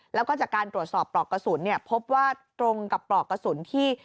แล้วก็จากการตรวจสอบปลอกกระสุนพบว่าตรงกับปลอกกระสุนที่